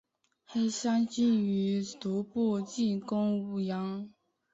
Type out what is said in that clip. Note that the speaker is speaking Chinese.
黑山军于毒部进攻武阳。